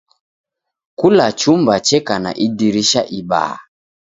Kula chumba cheka na idirisha ibaha.